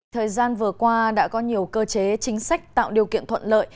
thời gian vừa qua đã có nhiều cơ chế chính sách tạo điều kiện thuận lợi